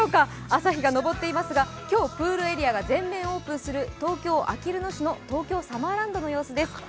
朝日が昇っていますが今日プールエリアが全面オープンする東京・あきる野市の東京サマーランドの様子です。